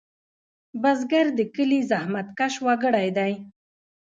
بزګر د کلي زحمتکش وګړی دی